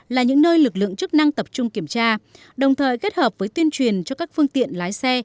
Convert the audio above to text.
là những nơi lực lượng chức năng tập trung kiểm tra đồng thời kết hợp với tuyên truyền cho các phương tiện lái xe